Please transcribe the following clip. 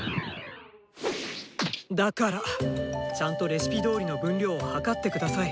だからちゃんとレシピどおりの分量を量って下さい。